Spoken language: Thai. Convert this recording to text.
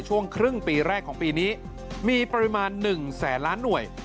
ช่วงครึ่งปีแรกของปีนี้มีปริมาณ๑แสนล้านหน่วย